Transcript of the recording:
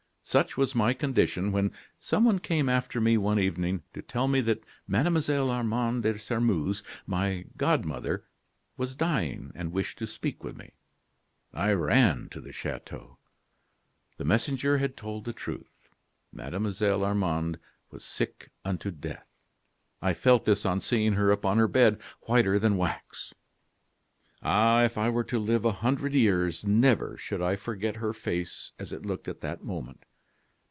"Such was my condition when someone came after me one evening to tell me that Mademoiselle Armande de Sairmeuse, my godmother, was dying, and wished to speak with me. I ran to the chateau. "The messenger had told the truth. Mademoiselle Armande was sick unto death. I felt this on seeing her upon her bed, whiter than wax. "Ah! if I were to live a hundred years, never should I forget her face as it looked at that moment.